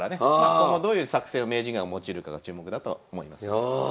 今後どういう作戦を名人が用いるかが注目だと思います。